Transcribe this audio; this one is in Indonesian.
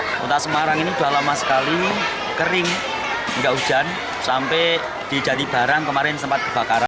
kota semarang ini sudah lama sekali kering enggak hujan sampai di jati barang kemarin sempat kebakaran